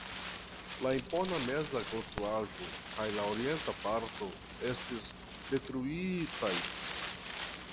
La impona meza konstruaĵo kaj la orienta parto estis detruitaj.